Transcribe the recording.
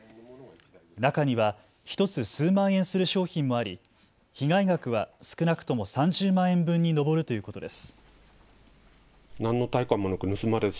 中には１つ数万円する商品もあり被害額は少なくとも３０万円分に上るということです。